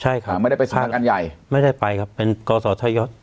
ใช่ค่ะไม่ได้ไปสมัครการใหญ่ไม่ได้ไปครับเป็นก่อสอทช